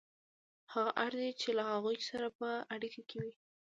هغه اړ دی چې له هغوی سره په اړیکه کې وي